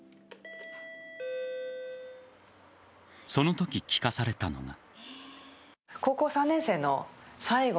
そのとき、聞かされたのが。